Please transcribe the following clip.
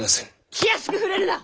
気安く触れるな！